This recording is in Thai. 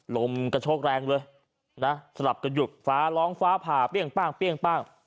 ลมกระโชกแรงเลยนะสลับกันหยุดฟ้าร้องฟ้าผ่าเปรี้ยงป้างเปรี้ยงป้าง